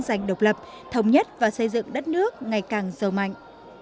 dành độc lập thống nhất và xây dựng đất nước ngày càng sâu mạnh